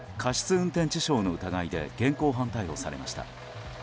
運転致傷の疑いで現行犯逮捕されました。